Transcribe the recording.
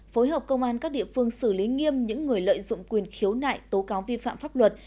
phối hợp công an các địa phương xử lý nghiêm những người lợi dụng quyền khiếu nại tố cáo vi phạm pháp luật